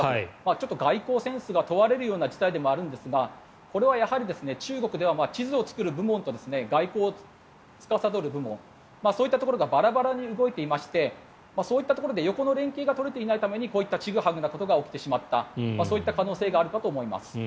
ちょっと外交センスが問われるような事態でもあるんですがこれはやはり中国では地図を作る部門と外交をつかさどる部門そういったところがバラバラに動いていましてそういったところで横の連携が取れていないためにこういったちぐはぐなことが起きてしまったそういう可能性があるかと思います。